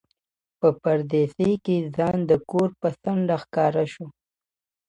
په پردېسۍ کې ځان د ګور په څنډه ښکاره شو.